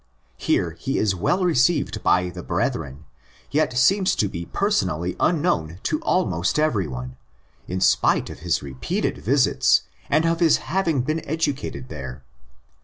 Here he is well received by *'the brethren,'' yet seems to be personally unknown to almost everyone, in spite of his repeated visits and of his having been educated there.